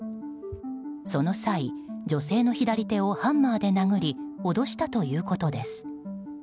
その際、女性の左手をハンマーで殴り脅したということです。